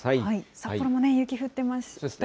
札幌も雪降ってました。